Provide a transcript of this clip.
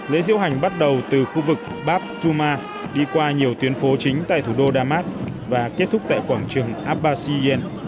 lễ diễu hành bắt đầu từ khu vực bab thuma đi qua nhiều tuyến phố chính tại thủ đô damas và kết thúc tại quảng trường abbasiyen